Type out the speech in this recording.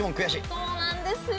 そうなんですよ！